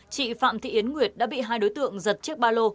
chị phạm thị yến nguyệt đã bị hai đối tượng giật chiếc ba lô